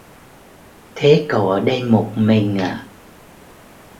Thế cậu ở đây một mình à